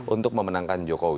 untuk memenangkan jokowi